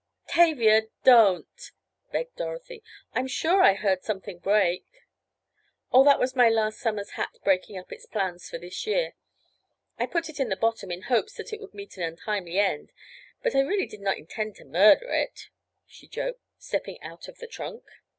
"Tavia! Don't!" begged Dorothy. "I'm sure I heard something break." "Oh, that was my last summer's hat breaking up its plans for this year. I put it in the bottom in hopes that it would meet an untimely end, but I really did not intend to murder it," she joked, stepping out of the trunk.